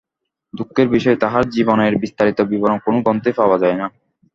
দুঃখের বিষয়, তাঁহার জীবনের বিস্তারিত বিবরণ কোনো গ্রন্থেই পাওয়া যায় না।